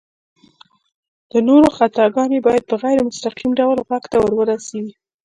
د نورو خطاګانې بايد په غير مستقيم ډول غوږ ته ورورسيږي